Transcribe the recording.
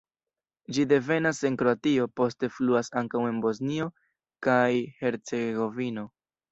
Ĝi devenas en Kroatio, poste fluas ankaŭ en Bosnio kaj Hercegovino.